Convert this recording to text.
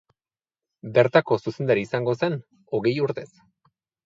Bertako zuzendari izango zen hogei urtez.